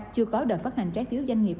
chưa có đợt phát hành trái phiếu doanh nghiệp